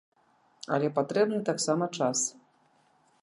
Але патрэбны таксама час.